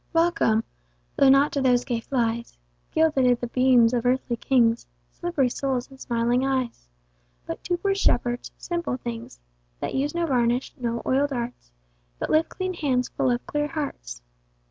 Welcome, (though not to those gay flies Guilded i'th' beams of earthly kings Slippery souls in smiling eyes) But to poor Shepherds, simple things, That use no varnish, no oil'd arts, But lift clean hands full of clear hearts.